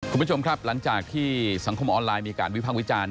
คุณผู้ชมครับหลังจากที่สังคมออนไลน์มีการวิภาควิจารณ์